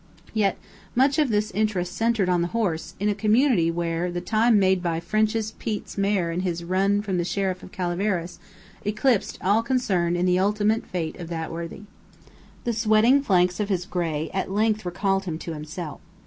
Yet much of this interest centered in the horse, in a community where the time made by "French Pete's" mare in his run from the Sheriff of Calaveras eclipsed all concern in the ultimate fate of that worthy. The sweating flanks of his gray at length recalled him to himself.